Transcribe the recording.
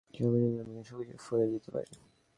কি হবে যদি তোমাকে সবকিছু ফরিয়ে দিতে পারি?